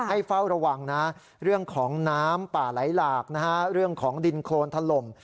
ให้เฝ้าระวังเรื่องของน้ำป่าไหล่หลากเรื่องของดินโครนทะลม